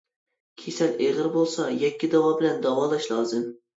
كېسەل ئېغىر بولسا يەككە داۋا بىلەن داۋالاش لازىم.